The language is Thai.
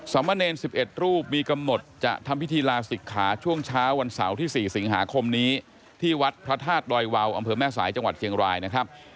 มะเนร๑๑รูปมีกำหนดจะทำพิธีลาศิกขาช่วงเช้าวันเสาร์ที่๔สิงหาคมนี้ที่วัดพระธาตุดอยวาวอำเภอแม่สายจังหวัดเชียงรายนะครับ